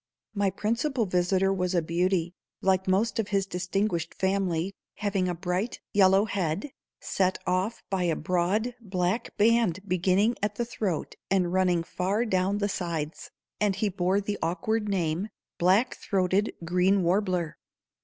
My principal visitor was a beauty, like most of his distinguished family, having a bright yellow head, set off by a broad black band beginning at the throat and running far down the sides, and he bore the awkward name "black throated green warbler."